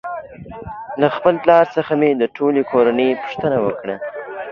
پلار څخه مې د ټولې کورنۍ پوښتنه وکړه